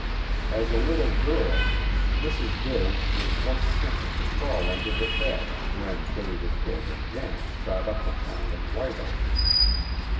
As a little girl, Mrs. Dills was once tempted to crawl under the bed, when "Billy the Kid" and gang shot up the town of White Oaks.